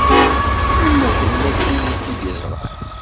I ma tella tin i k-id-iẓṛan?